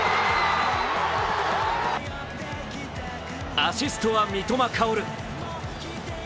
アシストは三笘薫。